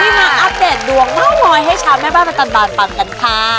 ที่มาอัปเดตดวงเม่าหมอยให้ช้ำแม่บ้านประจำบานฟังกันค่ะ